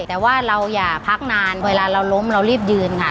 แต่ว่าเราอย่าพักนานเวลาเราล้มเรารีบยืนค่ะ